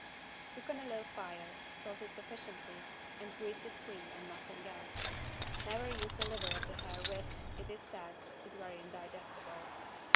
Cook on a low fire, salt it sufficiently and grease with cream and nothing else. Never use the liver of the hare which, it is said, is very indigestible.